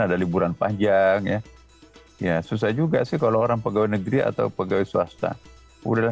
ada liburan panjang ya ya susah juga sih kalau orang pegawai negeri atau pegawai swasta udahlah